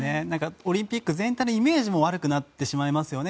オリンピック全体のイメージも悪くなってしまいますよね。